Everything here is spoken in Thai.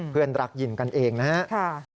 เพื่อนรักยินกันเองนะครับ